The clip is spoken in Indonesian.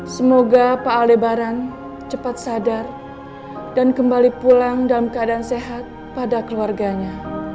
semoga paa lebaran cepat sadar dan kembali pulang dalam keadaan sehat pada keluarganya